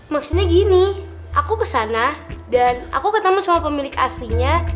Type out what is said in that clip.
maksudnya gini aku kesana dan aku ketemu sama pemilik aslinya